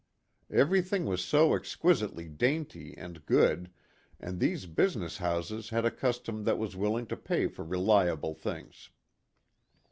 Everything was so exquisitely dainty and good, and these business houses had a custom that was willing to pay for reliable things.